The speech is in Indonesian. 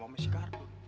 jisulam sama sikardon